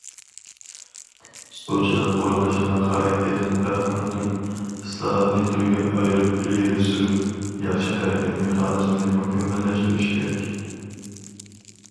سۇچىلىق قۇرۇلۇشىنىڭ خاراكتېرىنى پەرقلەندۈرۈپ، ئىسلاھاتنى تۈرگە ئايرىپ ئىلگىرى سۈرۈپ، ياخشى ھەرىكەت مېخانىزمىنى مۇكەممەللەشتۈرۈش كېرەك.